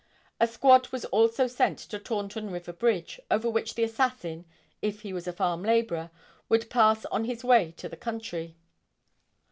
A squad was also sent to Taunton River Bridge, over which the assassin, if he was a farm laborer, would pass on his way to the country.